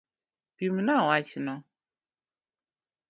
Pimna wachno.